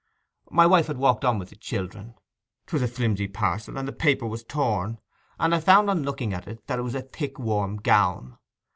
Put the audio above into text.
My wife had walked on with the children. 'Twas a flimsy parcel, and the paper was torn, and I found on looking at it that it was a thick warm gown.